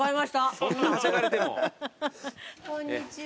こんにちは。